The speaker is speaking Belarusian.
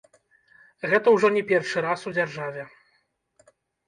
Гэта ўжо не першы раз у дзяржаве.